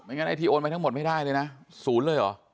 งั้นไอทีโอนไปทั้งหมดไม่ได้เลยนะศูนย์เลยเหรอ